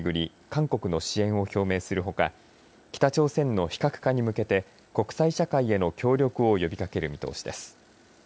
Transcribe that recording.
韓国の支援を表明するほか北朝鮮の非核化に向けて国際社会への協力を呼びかける見通しです。